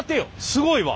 すごいわ。